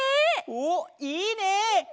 おっいいね！